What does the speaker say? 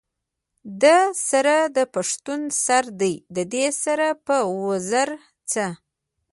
دا سر د پښتون سر دے ددې سر پۀ وزر څۀ